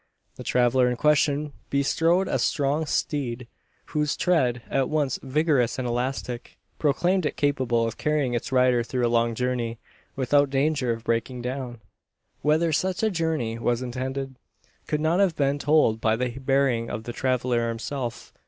The traveller in question bestrode a strong steed; whose tread, at once vigorous and elastic, proclaimed it capable of carrying its rider through a long journey, without danger of breaking down. Whether such a journey was intended, could not have been told by the bearing of the traveller himself.